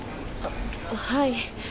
はい。